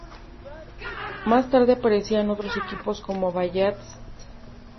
Más tarde aparecerían otros equipos como "Valletta St.